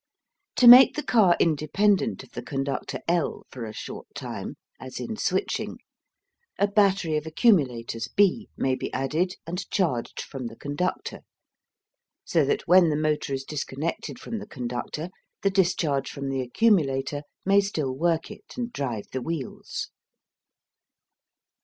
To make the car independent of the conductor L for a short time, as in switching, a battery of accumulators B may be added and charged from the conductor, so that when the motor is disconnected from the conductor, the discharge from the accumulator may still work it and drive the wheels.